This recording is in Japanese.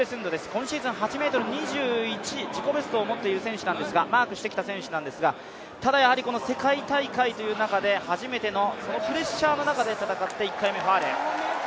今シーズン８ｍ２１、自己ベストをマークしてきた選手なんですがただ、この世界大会という中で初めてのプレッシャーの中で戦って、１回目ファウル。